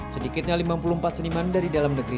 sedikitnya lima puluh empat seniman dari dalam negeri